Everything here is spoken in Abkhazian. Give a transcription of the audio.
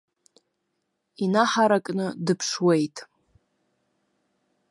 Инаҳаракны дыԥшуеит.